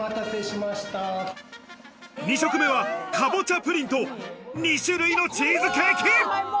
２食目はかぼちゃプリンと２種類のチーズケーキ。